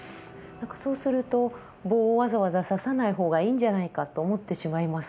そうすると棒をわざわざささない方がいいんじゃないかと思ってしまいますが。